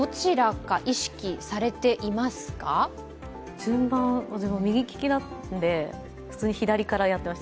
順番、私、右利きなので、左からやっていました。